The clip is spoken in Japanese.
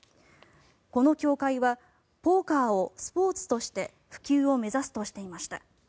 この協会はポーカーをスポーツとして普及を目指すとしていました。